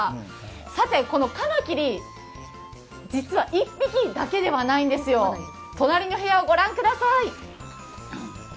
さて、このかまきり、実は１匹だけではないんですよ。隣の部屋を御覧ください。